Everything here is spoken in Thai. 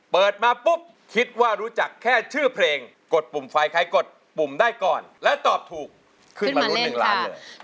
เปิดมาปุ๊บคิดว่ารู้จักแค่ชื่อเพลงกดปุ่มไฟใครกดปุ่มได้ก่อนและตอบถูกขึ้นมารุ้น๑ล้านเลย